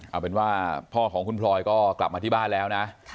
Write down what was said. เอาเป็นว่าพ่อของคุณพลอยก็กลับมาที่บ้านแล้วนะ